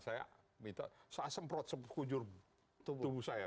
saya minta saya semprot sekujur tubuh saya